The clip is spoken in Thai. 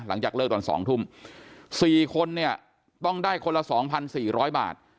หลังจากเลิกตอนสองทุ่มสี่คนเนี่ยต้องได้คนละสองพันสี่ร้อยบาท